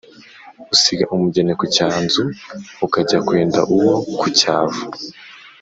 Usiga umugeni ku cyanzu ukajya kwenda uwo ku cyavu.